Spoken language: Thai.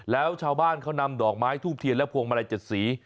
แล้วชาวบ้านเขานำดอกไม้ทูบเทียนและพวงมาลัย๗สี